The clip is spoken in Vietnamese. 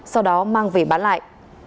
sau đó mang về bắc